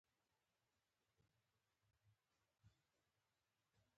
سیدکرم ولسوالۍ کې تاریخي زيارتونه شته.